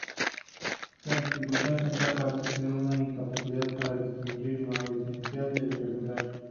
La dificultad central parece ser una incapacidad para distinguir lo esencial de lo secundario.